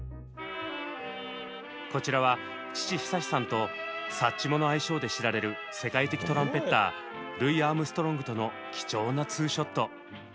こちらは父久さんと「サッチモ」の愛称で知られる世界的トランぺッタールイ・アームストロングとの貴重なツーショット。